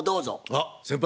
あっ先輩。